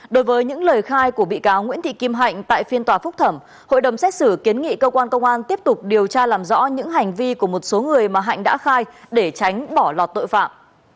đối với những lời khai của bị cáo nguyễn thị kim hạnh tại phiên tòa phúc thẩm hội đồng xét xử kiến nghị cơ quan công an tiếp tục điều tra làm rõ những hành vi của một số người mà hạnh đã khai để tránh bỏ lọt tội phạm